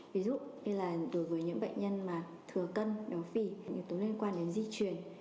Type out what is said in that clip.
ví dụ như là đối với những bệnh nhân thừa cân béo phì những yếu tố liên quan đến di truyền